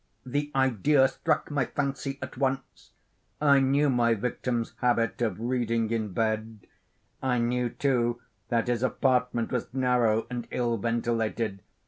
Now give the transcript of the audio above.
The idea struck my fancy at once. I knew my victim's habit of reading in bed. I knew, too, that his apartment was narrow and ill ventilated.